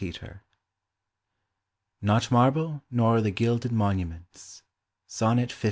i v) NOT MARBLE, NOT THE GILDED MONUMENTS. SONNET LV.